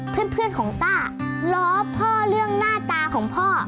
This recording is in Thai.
เพื่อนของต้าล้อพ่อเรื่องหน้าตาของพ่อ